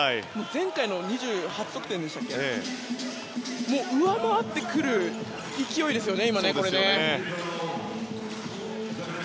前回の２８得点を上回ってくる勢いですね。